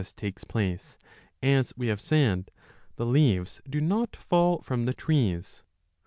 9 828* takes place, as we have said, the leaves do not fall from the trees.